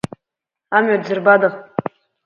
Амҩа дзырбада?